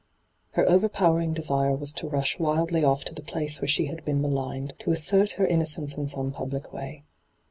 Her overpowering desire was to rash wildly off to the place where she had been maligned, to assert her innocence in some public way.